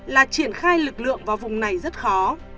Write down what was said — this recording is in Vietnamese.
là triển khai lực lượng vào vùng này rất khó